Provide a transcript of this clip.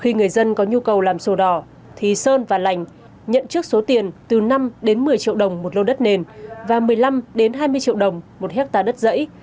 khi người dân có nhu cầu làm sổ đỏ thì sơn và lành nhận trước số tiền từ năm đến một mươi triệu đồng một lô đất nền và một mươi năm hai mươi triệu đồng một hectare đất dãy